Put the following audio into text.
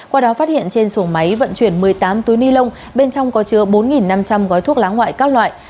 qua đó phát hiện trên xuồng máy vận chuyển một mươi tám túi ni lông bên trong có chứa bốn năm trăm linh gói thuốc lá ngoại các loại